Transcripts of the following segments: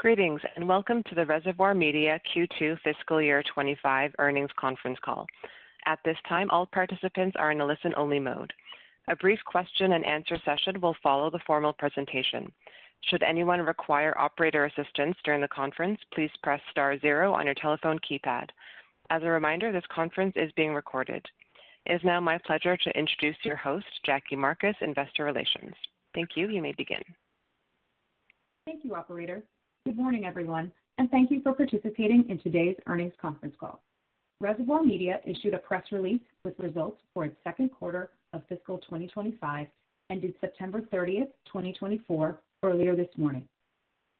Greetings and welcome to the Reservoir Media Q2 Fiscal Year '25 earnings conference call. At this time, all participants are in a listen-only mode. A brief question-and-answer session will follow the formal presentation. Should anyone require operator assistance during the conference, please press star zero on your telephone keypad. As a reminder, this conference is being recorded. It is now my pleasure to introduce your host, Jackie Marcus, Investor Relations. Thank you. You may begin. Thank you, Operator. Good morning, everyone, and thank you for participating in today's earnings conference call. Reservoir Media issued a press release with results for its second quarter of fiscal 2025 ended September 30th, 2024, earlier this morning.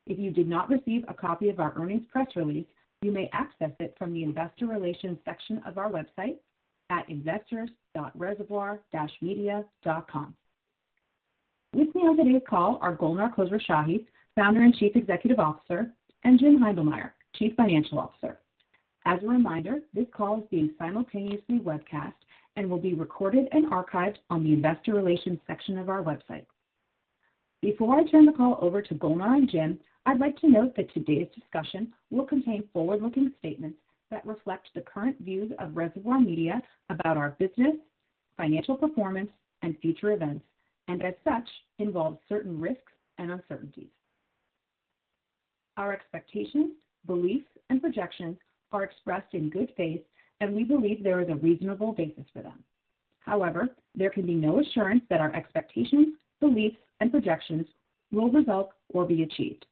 If you did not receive a copy of our earnings press release, you may access it from the Investor Relations section of our website at investors.reservoir-media.com. With me on today's call are Golnar Khosrowshahi, Founder and Chief Executive Officer, and Jim Heindlmeyer, Chief Financial Officer. As a reminder, this call is being simultaneously webcast and will be recorded and archived on the Investor Relations section of our website. Before I turn the call over to Golnar and Jim, I'd like to note that today's discussion will contain forward-looking statements that reflect the current views of Reservoir Media about our business, financial performance, and future events, and as such involve certain risks and uncertainties. Our expectations, beliefs, and projections are expressed in good faith, and we believe there is a reasonable basis for them. However, there can be no assurance that our expectations, beliefs, and projections will result or be achieved.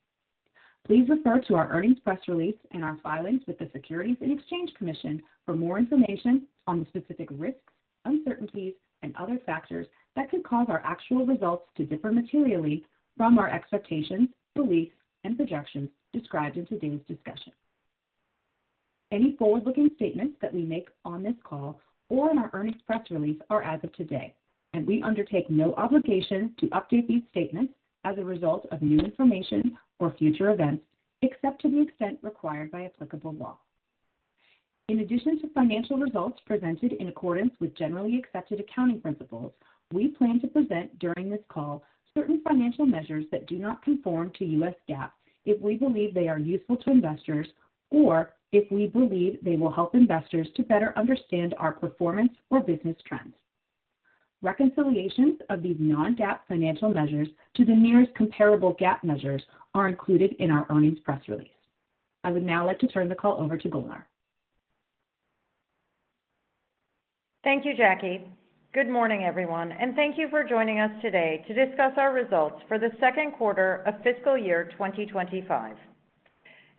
Please refer to our earnings press release and our filings with the Securities and Exchange Commission for more information on the specific risks, uncertainties, and other factors that could cause our actual results to differ materially from our expectations, beliefs, and projections described in today's discussion. Any forward-looking statements that we make on this call or in our earnings press release are as of today, and we undertake no obligation to update these statements as a result of new information or future events, except to the extent required by applicable law. In addition to financial results presented in accordance with generally accepted accounting principles, we plan to present during this call certain financial measures that do not conform to U.S. GAAP if we believe they are useful to investors or if we believe they will help investors to better understand our performance or business trends. Reconciliations of these non-GAAP financial measures to the nearest comparable GAAP measures are included in our earnings press release. I would now like to turn the call over to Golnar. Thank you, Jackie. Good morning, everyone, and thank you for joining us today to discuss our results for the second quarter of fiscal year 2025.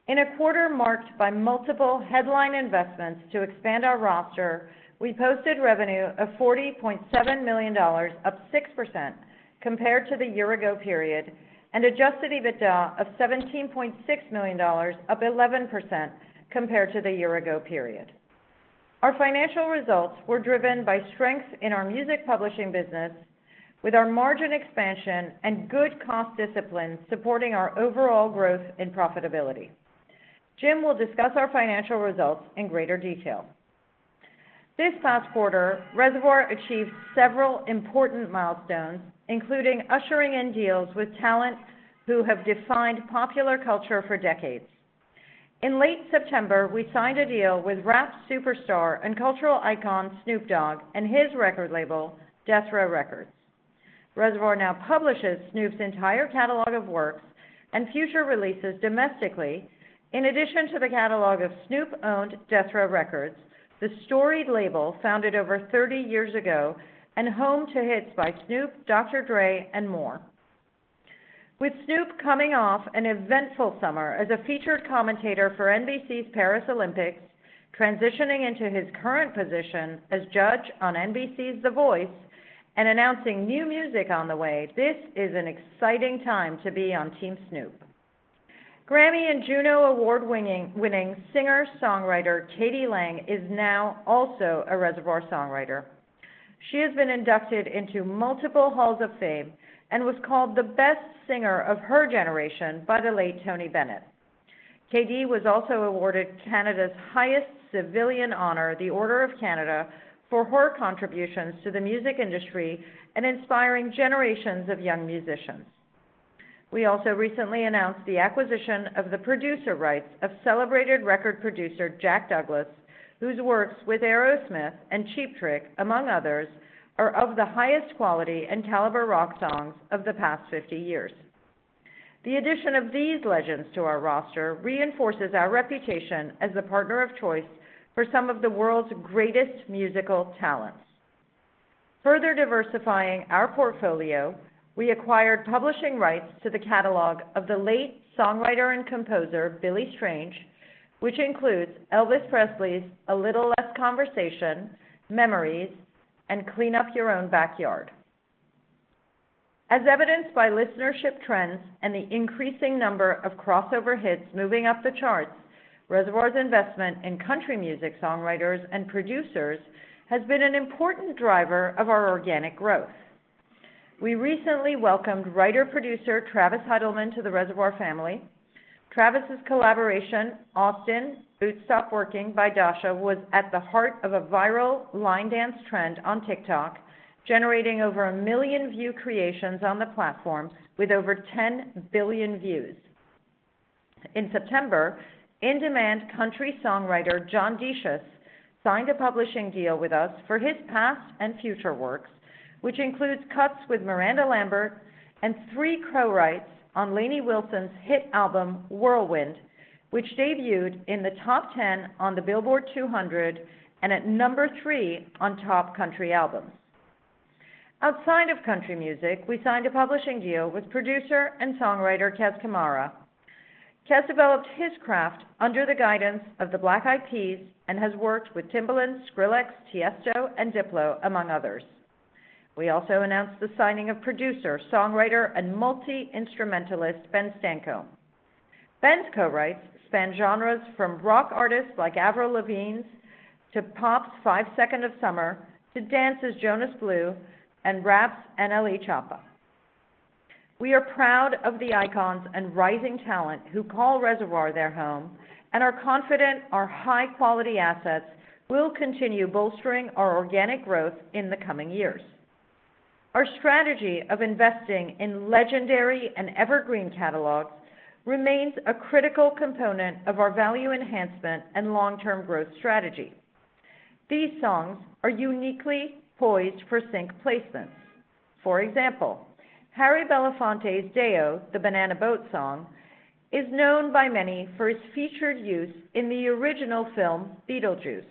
In a quarter marked by multiple headline investments to expand our roster, we posted revenue of $40.7 million, up 6% compared to the year-ago period, and Adjusted EBITDA of $17.6 million, up 11% compared to the year-ago period. Our financial results were driven by strength in our music publishing business, with our margin expansion and good cost discipline supporting our overall growth and profitability. Jim will discuss our financial results in greater detail. This past quarter, Reservoir achieved several important milestones, including ushering in deals with talent who have defined popular culture for decades. In late September, we signed a deal with rap superstar and cultural icon Snoop Dogg and his record label, Death Row Records. Reservoir now publishes Snoop's entire catalog of works and future releases domestically, in addition to the catalog of Snoop-owned Death Row Records, the storied label founded over 30 years ago and home to hits by Snoop, Dr. Dre, and more. With Snoop coming off an eventful summer as a featured commentator for NBC's Paris Olympics, transitioning into his current position as judge on NBC's The Voice, and announcing new music on the way, this is an exciting time to be on Team Snoop. Grammy and Juno Award-winning singer-songwriter Katie Lang is now also a Reservoir songwriter. She has been inducted into multiple halls of fame and was called the best singer of her generation by the late Tony Bennett. Katie was also awarded Canada's highest civilian honor, the Order of Canada, for her contributions to the music industry and inspiring generations of young musicians. We also recently announced the acquisition of the producer rights of celebrated record producer Jack Douglas, whose works with Aerosmith and Cheap Trick, among others, are of the highest quality and caliber rock songs of the past 50 years. The addition of these legends to our roster reinforces our reputation as the partner of choice for some of the world's greatest musical talents. Further diversifying our portfolio, we acquired publishing rights to the catalog of the late songwriter and composer Billy Strange, which includes Elvis Presley's A Little Less Conversation, Memories, and Clean Up Your Own Backyard. As evidenced by listenership trends and the increasing number of crossover hits moving up the charts, Reservoir's investment in country music songwriters and producers has been an important driver of our organic growth. We recently welcomed writer-producer Travis Heidelman to the Reservoir family. Travis's collaboration Austin (Boots Stop Workin') by Dasha was at the heart of a viral line dance trend on TikTok, generating over a million view creations on the platform with over 10 billion views. In September, in-demand country songwriter John Byron signed a publishing deal with us for his past and future works, which includes cuts with Miranda Lambert and three co-writes on Lainey Wilson's hit album Whirlwind, which debuted in the top 10 on the Billboard 200 and at number three on Top Country Albums. Outside of country music, we signed a publishing deal with producer and songwriter Kes. KEs developed his craft under the guidance of the Black Eyed Peas and has worked with Timbaland, Skrillex, Tiësto, and Diplo, among others. We also announced the signing of producer, songwriter, and multi-instrumentalist Ben Samama. Ben's co-writes span genres from rock artists like Avril Lavigne's to pop's Five Seconds of Summer to dance's Jonas Blue and rap's NLE Choppa. We are proud of the icons and rising talent who call Reservoir their home and are confident our high-quality assets will continue bolstering our organic growth in the coming years. Our strategy of investing in legendary and evergreen catalogs remains a critical component of our value enhancement and long-term growth strategy. These songs are uniquely poised for sync placements. For example, Harry Belafonte's Day-O, the Banana Boat song, is known by many for its featured use in the original film Beetlejuice,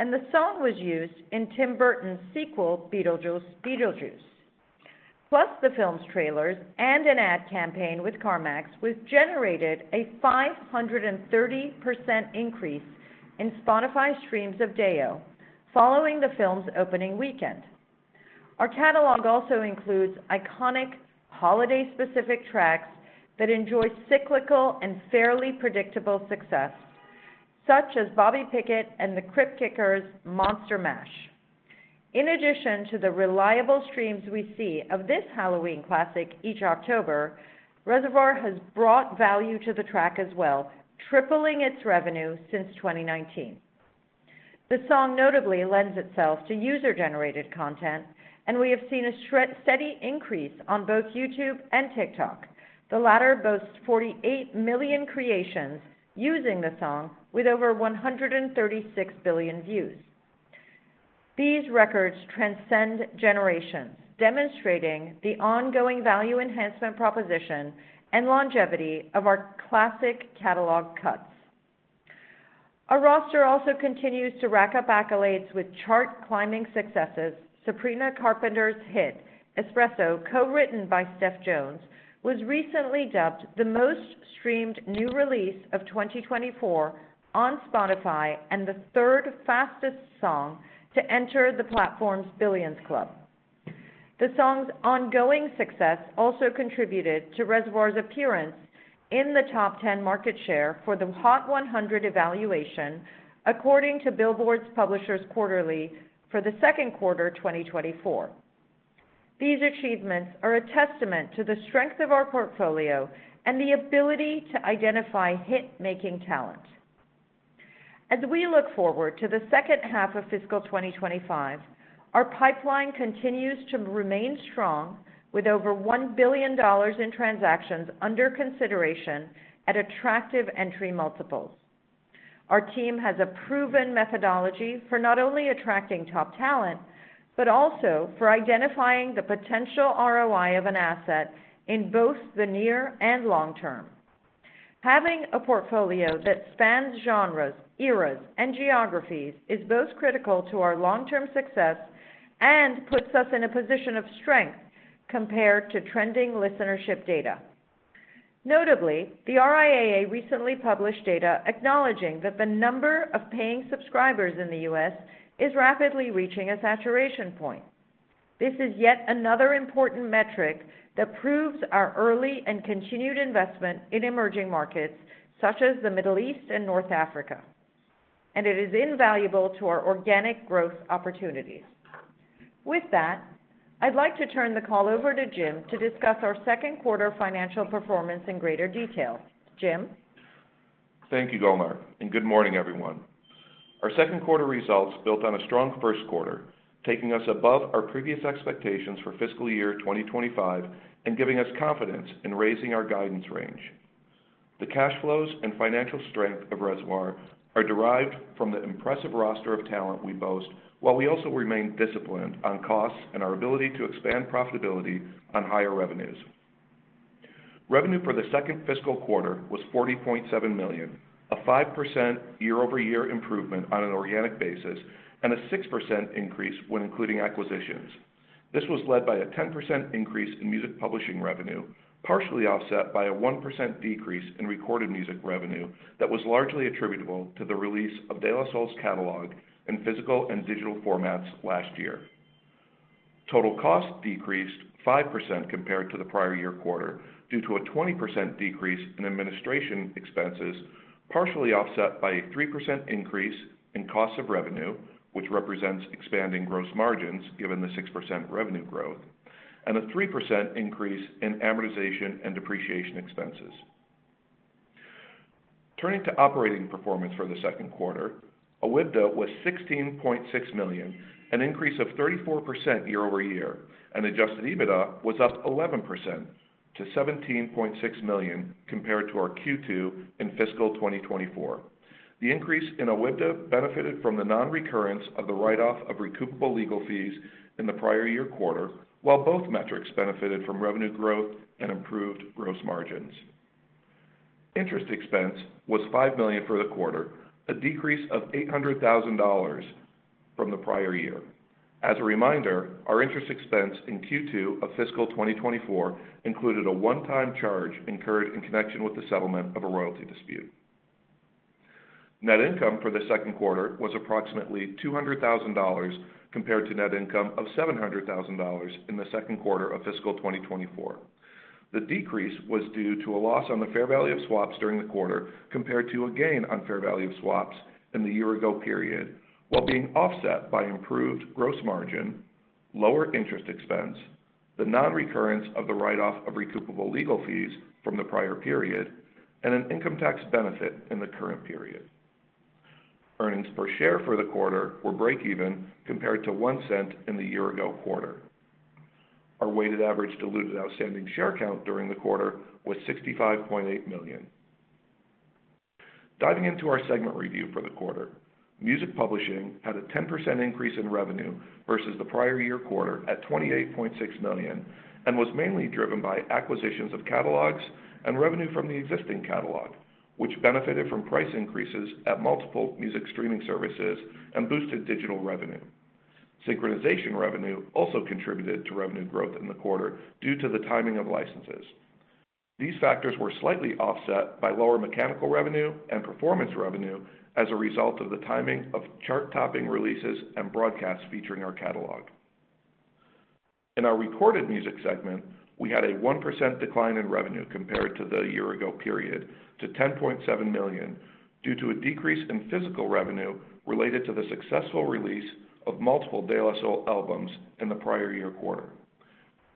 and the song was used in Tim Burton's sequel Beetlejuice, Beetlejuice. Plus, the film's trailers and an ad campaign with CarMax generated a 530% increase in Spotify streams of Day-O following the film's opening weekend. Our catalog also includes iconic holiday-specific tracks that enjoy cyclical and fairly predictable success, such as Bobby Pickett and the Crypt-Kickers' Monster Mash. In addition to the reliable streams we see of this Halloween classic each October, Reservoir has brought value to the track as well, tripling its revenue since 2019. The song notably lends itself to user-generated content, and we have seen a steady increase on both YouTube and TikTok. The latter boasts 48 million creations using the song with over 136 billion views. These records transcend generations, demonstrating the ongoing value enhancement proposition and longevity of our classic catalog cuts. Our roster also continues to rack up accolades with chart-climbing successes. Sabrina Carpenter's hit Espresso, co-written by Steph Jones, was recently dubbed the most-streamed new release of 2024 on Spotify and the third-fastest song to enter the platform's Billions Club. The song's ongoing success also contributed to Reservoir's appearance in the top 10 market share for the Hot 100 evaluation, according to Billboard's Publishers Quarterly for the second quarter 2024. These achievements are a testament to the strength of our portfolio and the ability to identify hit-making talent. As we look forward to the second half of fiscal 2025, our pipeline continues to remain strong, with over $1 billion in transactions under consideration at attractive entry multiples. Our team has a proven methodology for not only attracting top talent but also for identifying the potential ROI of an asset in both the near and long term. Having a portfolio that spans genres, eras, and geographies is both critical to our long-term success and puts us in a position of strength compared to trending listenership data. Notably, the RIAA recently published data acknowledging that the number of paying subscribers in the U.S. is rapidly reaching a saturation point. This is yet another important metric that proves our early and continued investment in emerging markets such as the Middle East and North Africa, and it is invaluable to our organic growth opportunities. With that, I'd like to turn the call over to Jim to discuss our second quarter financial performance in greater detail. Jim? Thank you, Golnar, and good morning, everyone. Our second quarter results built on a strong first quarter, taking us above our previous expectations for fiscal year 2025 and giving us confidence in raising our guidance range. The cash flows and financial strength of Reservoir are derived from the impressive roster of talent we boast, while we also remain disciplined on costs and our ability to expand profitability on higher revenues. Revenue for the second fiscal quarter was $40.7 million, a 5% year-over-year improvement on an organic basis, and a 6% increase when including acquisitions. This was led by a 10% increase in music publishing revenue, partially offset by a 1% decrease in recorded music revenue that was largely attributable to the release of De La Soul's catalog in physical and digital formats last year. Total costs decreased 5% compared to the prior year quarter due to a 20% decrease in administration expenses, partially offset by a 3% increase in costs of revenue, which represents expanding gross margins given the 6% revenue growth, and a 3% increase in amortization and depreciation expenses. Turning to operating performance for the second quarter, OIBDA was $16.6 million, an increase of 34% year-over-year, and Adjusted EBITDA was up 11% to $17.6 million compared to our Q2 in fiscal 2024. The increase in OIBDA benefited from the non-recurrence of the write-off of recoupable legal fees in the prior year quarter, while both metrics benefited from revenue growth and improved gross margins. Interest expense was $5 million for the quarter, a decrease of $800,000 from the prior year. As a reminder, our interest expense in Q2 of fiscal 2024 included a one-time charge incurred in connection with the settlement of a royalty dispute. Net income for the second quarter was approximately $200,000 compared to net income of $700,000 in the second quarter of fiscal 2024. The decrease was due to a loss on the fair value of swaps during the quarter compared to a gain on fair value of swaps in the year-ago period, while being offset by improved gross margin, lower interest expense, the non-recurrence of the write-off of recoupable legal fees from the prior period, and an income tax benefit in the current period. Earnings per share for the quarter were break-even compared to $0.01 in the year-ago quarter. Our weighted average diluted outstanding share count during the quarter was 65.8 million. Diving into our segment review for the quarter, music publishing had a 10% increase in revenue versus the prior year quarter at $28.6 million and was mainly driven by acquisitions of catalogs and revenue from the existing catalog, which benefited from price increases at multiple music streaming services and boosted digital revenue. Synchronization revenue also contributed to revenue growth in the quarter due to the timing of licenses. These factors were slightly offset by lower mechanical revenue and performance revenue as a result of the timing of chart-topping releases and broadcasts featuring our catalog. In our recorded music segment, we had a 1% decline in revenue compared to the year-ago period to $10.7 million due to a decrease in physical revenue related to the successful release of multiple De La Soul albums in the prior year quarter.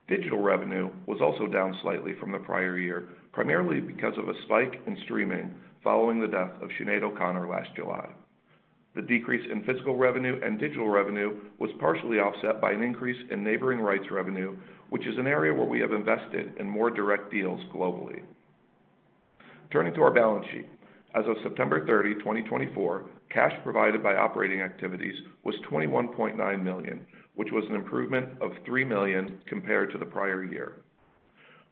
Digital revenue was also down slightly from the prior year, primarily because of a spike in streaming following the death of Sinéad O'Connor last July. The decrease in physical revenue and digital revenue was partially offset by an increase in neighboring rights revenue, which is an area where we have invested in more direct deals globally. Turning to our balance sheet, as of September 30, 2024, cash provided by operating activities was $21.9 million, which was an improvement of $3 million compared to the prior year.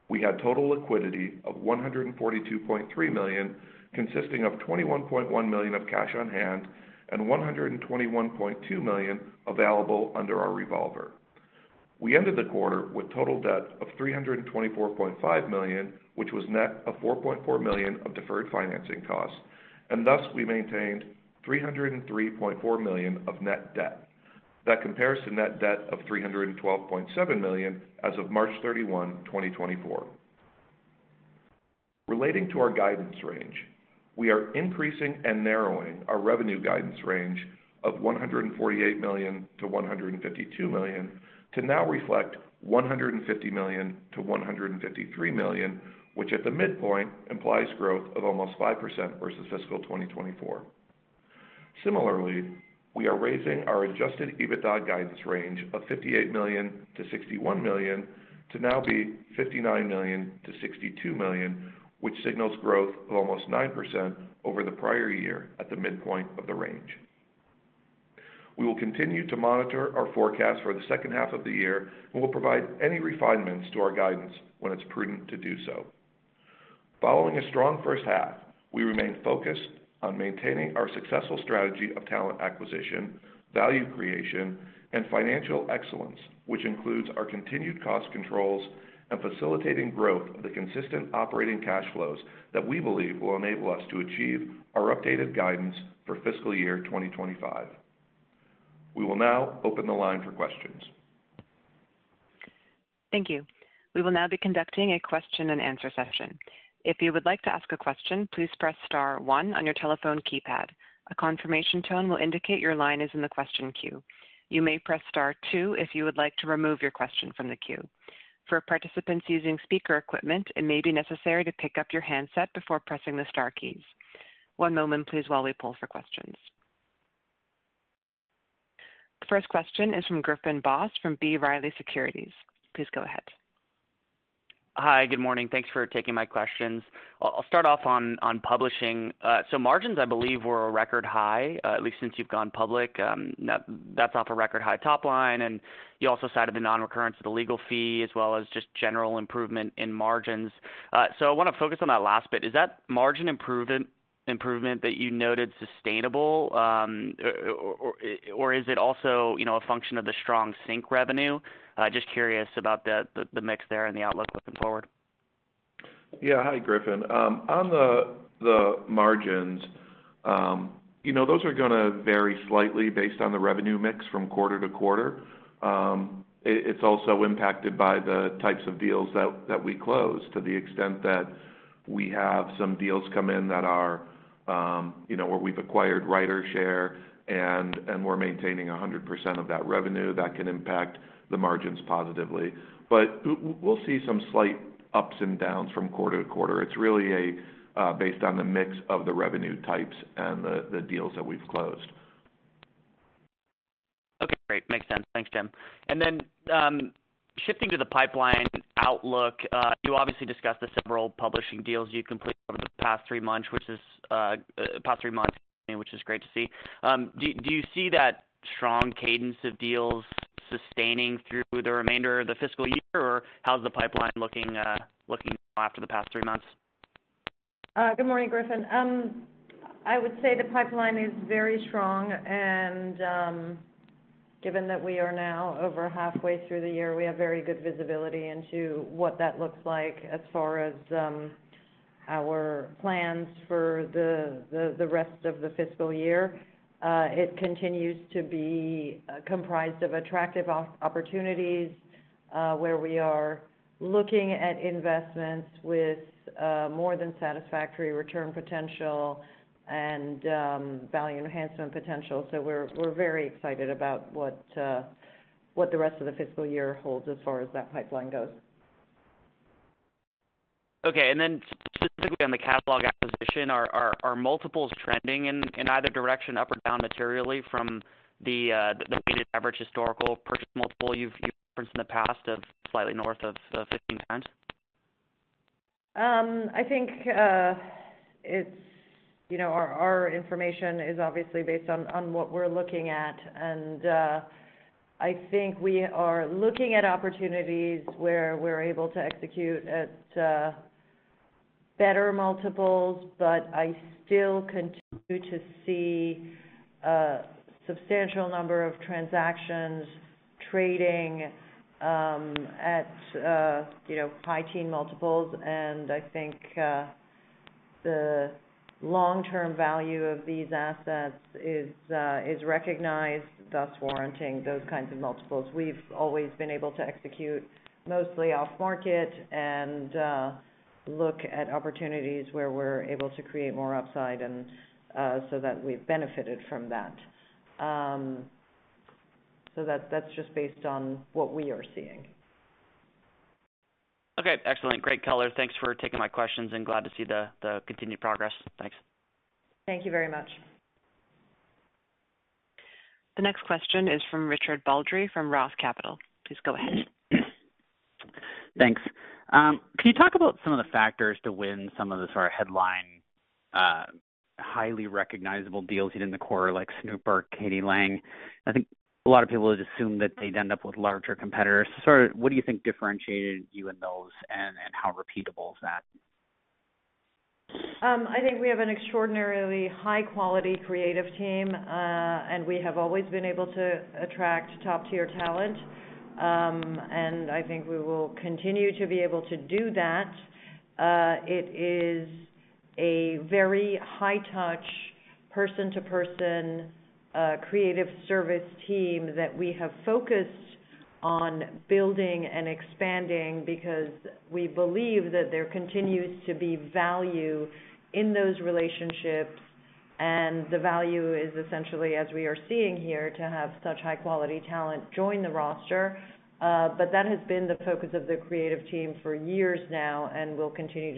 We had total liquidity of $142.3 million, consisting of $21.1 million of cash on hand and $121.2 million available under our revolver. We ended the quarter with total debt of $324.5 million, which was net of $4.4 million of deferred financing costs, and thus we maintained $303.4 million of net debt. That compares to net debt of $312.7 million as of March 31, 2024. Relating to our guidance range, we are increasing and narrowing our revenue guidance range of $148 million-$152 million to now reflect $150 million-$153 million, which at the midpoint implies growth of almost 5% versus fiscal 2024. Similarly, we are raising our adjusted EBITDA guidance range of $58 million-$61 million to now be $59 million-$62 million, which signals growth of almost 9% over the prior year at the midpoint of the range. We will continue to monitor our forecast for the second half of the year and will provide any refinements to our guidance when it's prudent to do so. Following a strong first half, we remain focused on maintaining our successful strategy of talent acquisition, value creation, and financial excellence, which includes our continued cost controls and facilitating growth of the consistent operating cash flows that we believe will enable us to achieve our updated guidance for fiscal year 2025. We will now open the line for questions. Thank you. We will now be conducting a question-and-answer session. If you would like to ask a question, please press star 1 on your telephone keypad. A confirmation tone will indicate your line is in the question queue. You may press star 2 if you would like to remove your question from the queue. For participants using speaker equipment, it may be necessary to pick up your handset before pressing the star keys. One moment, please, while we pull for questions. The first question is from Griffin Boss from B. Riley Securities. Please go ahead. Hi, good morning. Thanks for taking my questions. I'll start off on publishing. So margins, I believe, were a record high, at least since you've gone public. That's off a record high top line, and you also cited the non-recurrence of the legal fee as well as just general improvement in margins. So I want to focus on that last bit. Is that margin improvement that you noted sustainable, or is it also a function of the strong sync revenue? Just curious about the mix there and the outlook looking forward. Yeah, hi, Griffin. On the margins, you know those are going to vary slightly based on the revenue mix from quarter to quarter. It's also impacted by the types of deals that we close, to the extent that we have some deals come in that are where we've acquired writer's share and we're maintaining 100% of that revenue. That can impact the margins positively. But we'll see some slight ups and downs from quarter to quarter. It's really based on the mix of the revenue types and the deals that we've closed. Okay, great. Makes sense. Thanks, Jim. And then shifting to the pipeline outlook, you obviously discussed the several publishing deals you completed over the past three months, which is great to see. Do you see that strong cadence of deals sustaining through the remainder of the fiscal year, or how's the pipeline looking after the past three months? Good morning, Griffin. I would say the pipeline is very strong, and given that we are now over halfway through the year, we have very good visibility into what that looks like as far as our plans for the rest of the fiscal year. It continues to be comprised of attractive opportunities where we are looking at investments with more than satisfactory return potential and value enhancement potential. So we're very excited about what the rest of the fiscal year holds as far as that pipeline goes. Okay, and then specifically on the catalog acquisition, are multiples trending in either direction, up or down materially, from the weighted average historical purchase multiple you've referenced in the past of slightly north of 15 times? I think our information is obviously based on what we're looking at, and I think we are looking at opportunities where we're able to execute at better multiples, but I still continue to see a substantial number of transactions trading at high-teen multiples, and I think the long-term value of these assets is recognized, thus warranting those kinds of multiples. We've always been able to execute mostly off-market and look at opportunities where we're able to create more upside so that we've benefited from that, so that's just based on what we are seeing. Okay, excellent. Great color. Thanks for taking my questions, and glad to see the continued progress. Thanks. Thank you very much. The next question is from Richard Baldry from Roth Capital. Please go ahead. Thanks. Can you talk about some of the factors to win some of the sort of headline, highly recognizable deals you did in the quarter, like Snoop Dogg, k.d. lang? I think a lot of people would assume that they'd end up with larger competitors. So sort of what do you think differentiated you in those, and how repeatable is that? I think we have an extraordinarily high-quality creative team, and we have always been able to attract top-tier talent, and I think we will continue to be able to do that. It is a very high-touch, person-to-person creative service team that we have focused on building and expanding because we believe that there continues to be value in those relationships, and the value is essentially, as we are seeing here, to have such high-quality talent join the roster. But that has been the focus of the creative team for years now and will continue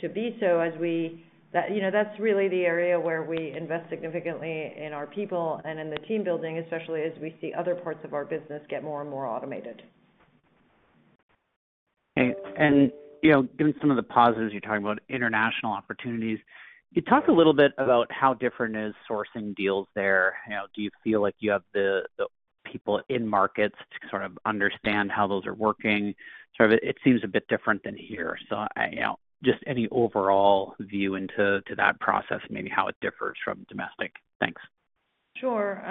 to be so as we, that's really the area where we invest significantly in our people and in the team building, especially as we see other parts of our business get more and more automated. Given some of the positives you're talking about, international opportunities, could you talk a little bit about how different is sourcing deals there? Do you feel like you have the people in markets to sort of understand how those are working? Sort of it seems a bit different than here. Just any overall view into that process and maybe how it differs from domestic. Thanks. Sure.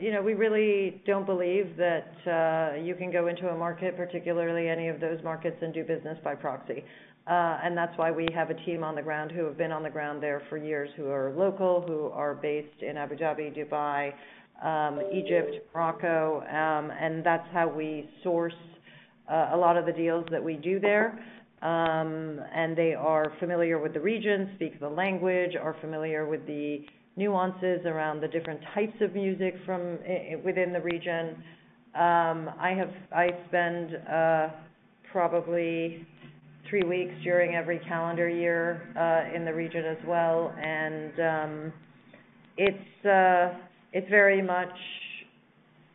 You know we really don't believe that you can go into a market, particularly any of those markets, and do business by proxy. And that's why we have a team on the ground who have been on the ground there for years, who are local, who are based in Abu Dhabi, Dubai, Egypt, Morocco. And that's how we source a lot of the deals that we do there. And they are familiar with the region, speak the language, are familiar with the nuances around the different types of music from within the region. I spend probably three weeks during every calendar year in the region as well. And it's very much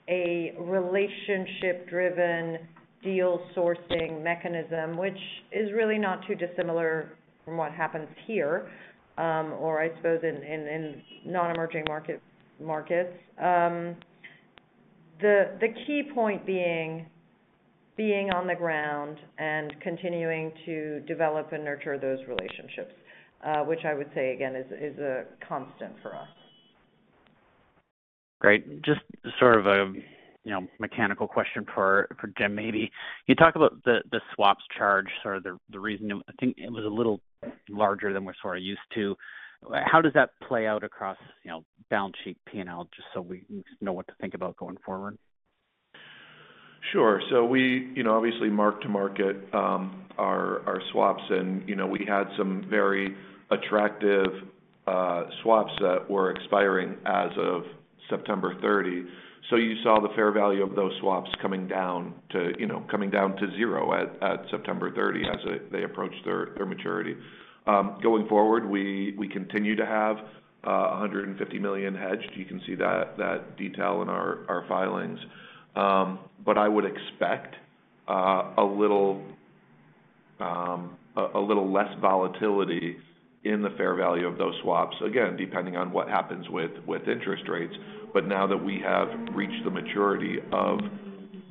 a relationship-driven deal sourcing mechanism, which is really not too dissimilar from what happens here, or I suppose in non-emerging markets. The key point being on the ground and continuing to develop and nurture those relationships, which I would say, again, is a constant for us. Great. Just sort of a mechanical question for Jim, maybe. Can you talk about the swaps charge, sort of the reason I think it was a little larger than we're sort of used to? How does that play out across balance sheet P&L, just so we know what to think about going forward? Sure. So we obviously mark to market our swaps, and we had some very attractive swaps that were expiring as of September 30. So you saw the fair value of those swaps coming down to zero at September 30 as they approached their maturity. Going forward, we continue to have $150 million hedged. You can see that detail in our filings. But I would expect a little less volatility in the fair value of those swaps, again, depending on what happens with interest rates. But now that we have reached the maturity of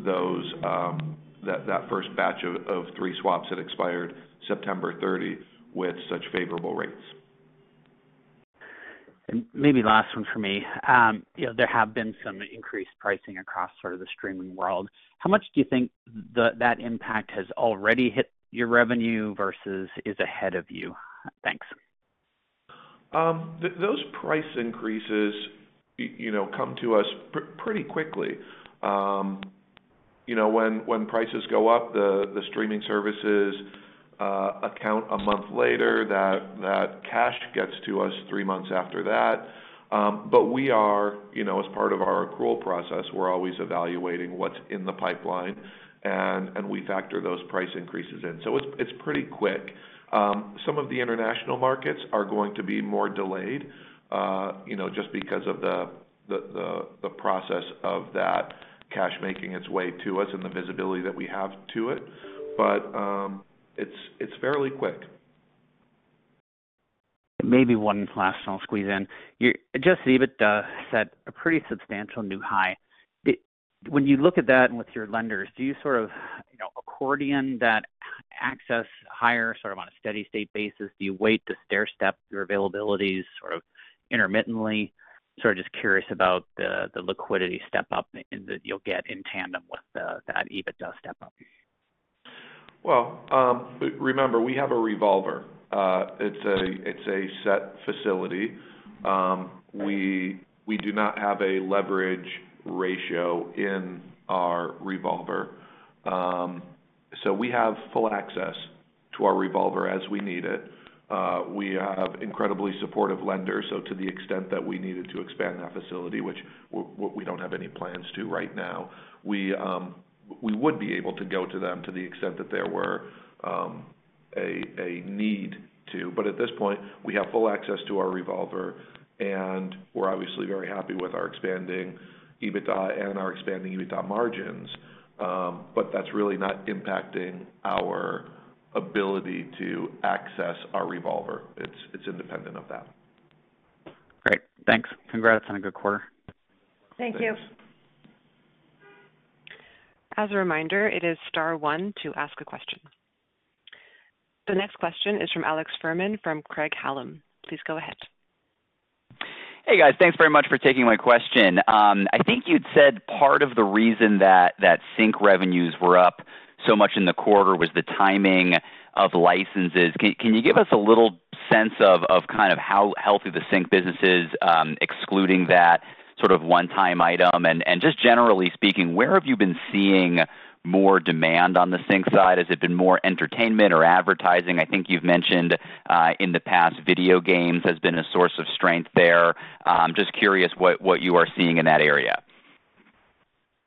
that first batch of three swaps that expired September 30 with such favorable rates. Maybe last one for me. There have been some increased pricing across sort of the streaming world. How much do you think that impact has already hit your revenue versus is ahead of you? Thanks. Those price increases come to us pretty quickly. When prices go up, the streaming services account a month later, that cash gets to us three months after that. But we are, as part of our accrual process, we're always evaluating what's in the pipeline, and we factor those price increases in. So it's pretty quick. Some of the international markets are going to be more delayed just because of the process of that cash making its way to us and the visibility that we have to it. But it's fairly quick. Maybe one last thing I'll squeeze in. Adjusted EBITDA set a pretty substantial new high. When you look at that with your lenders, do you sort of accordion that access higher sort of on a steady-state basis? Do you wait to stair-step your availabilities sort of intermittently? Sort of just curious about the liquidity step-up that you'll get in tandem with that EBITDA step-up. Remember, we have a revolver. It's a set facility. We do not have a leverage ratio in our revolver. So we have full access to our revolver as we need it. We have incredibly supportive lenders. So to the extent that we needed to expand that facility, which we don't have any plans to right now, we would be able to go to them to the extent that there were a need to. But at this point, we have full access to our revolver, and we're obviously very happy with our expanding EBITDA and our expanding EBITDA margins. But that's really not impacting our ability to access our revolver. It's independent of that. Great. Thanks. Congrats on a good quarter. Thank you. As a reminder, it is star 1 to ask a question. The next question is from Alex Fuhrman from Craig-Hallum. Please go ahead. Hey, guys. Thanks very much for taking my question. I think you'd said part of the reason that sync revenues were up so much in the quarter was the timing of licenses. Can you give us a little sense of kind of how healthy the sync business is, excluding that sort of one-time item? And just generally speaking, where have you been seeing more demand on the sync side? Has it been more entertainment or advertising? I think you've mentioned in the past video games has been a source of strength there. Just curious what you are seeing in that area.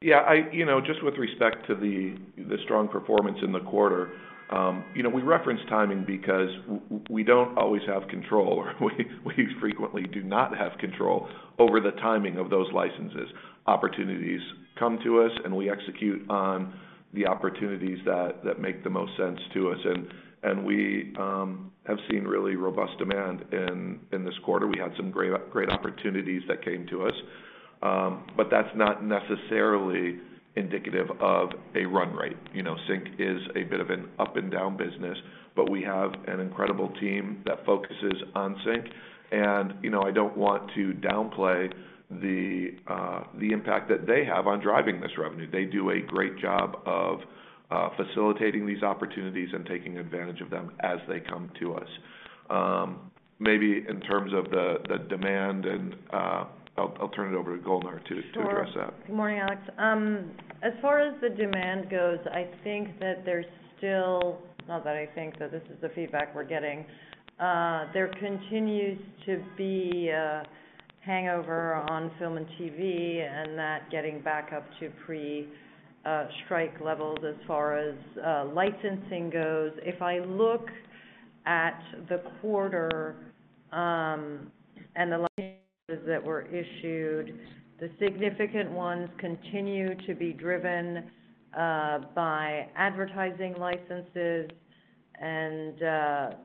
Yeah, just with respect to the strong performance in the quarter, we reference timing because we don't always have control, or we frequently do not have control over the timing of those licenses. Opportunities come to us, and we execute on the opportunities that make the most sense to us. And we have seen really robust demand in this quarter. We had some great opportunities that came to us. But that's not necessarily indicative of a run rate. Sync is a bit of an up-and-down business, but we have an incredible team that focuses on sync. And I don't want to downplay the impact that they have on driving this revenue. They do a great job of facilitating these opportunities and taking advantage of them as they come to us. Maybe in terms of the demand, and I'll turn it over to Golnar to address that. Good morning, Alex. As far as the demand goes, I think that there's still (not that I think, though this is the feedback we're getting) there continues to be a hangover on film and TV and that getting back up to pre-strike levels as far as licensing goes. If I look at the quarter and the licenses that were issued, the significant ones continue to be driven by advertising licenses and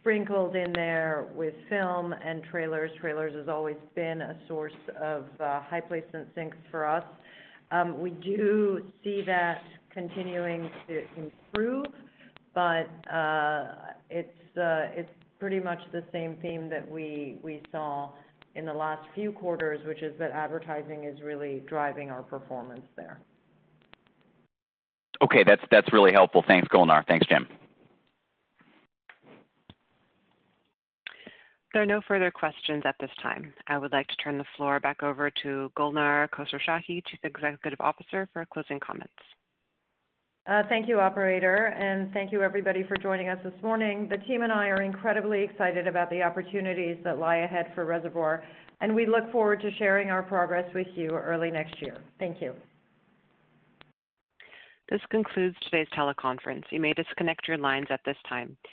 sprinkled in there with film and trailers. Trailers has always been a source of high-placement sync for us. We do see that continuing to improve, but it's pretty much the same theme that we saw in the last few quarters, which is that advertising is really driving our performance there. Okay, that's really helpful. Thanks, Golnar. Thanks, Jim. There are no further questions at this time. I would like to turn the floor back over to Golnar Khosrowshahi, Chief Executive Officer, for closing comments. Thank you, Operator, and thank you, everybody, for joining us this morning. The team and I are incredibly excited about the opportunities that lie ahead for Reservoir, and we look forward to sharing our progress with you early next year. Thank you. This concludes today's teleconference. You may disconnect your lines at this time.